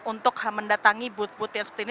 untuk mendatangi booth booth yang seperti ini